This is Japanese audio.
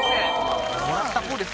もらった方です。